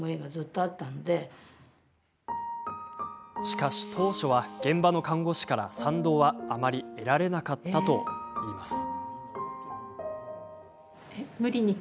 しかし、当初は現場の看護師から賛同はあまり得られなかったといいます。